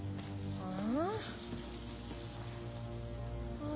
ああ。